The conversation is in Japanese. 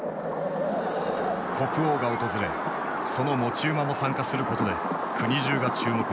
国王が訪れその持ち馬も参加することで国中が注目していた。